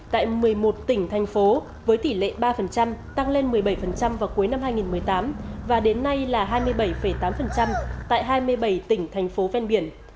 tại một mươi một tỉnh thành phố với tỷ lệ ba tăng lên một mươi bảy vào cuối năm hai nghìn một mươi tám và đến nay là hai mươi bảy tám tại hai mươi bảy tỉnh thành phố ven biển